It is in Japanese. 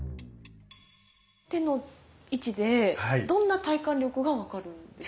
手の位置でどんな体幹力が分かるんですか？